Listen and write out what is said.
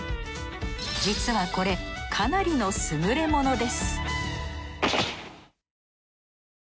実はこれかなりの優れものです